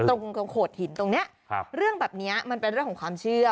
ตรงโขดหินตรงนี้เรื่องแบบนี้มันเป็นเรื่องของความเชื่อ